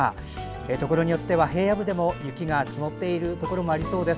ところによっては平野部でも雪が積もっているところもありそうです。